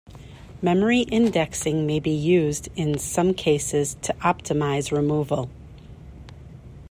Memory indexing may be used in some cases to optimise removal.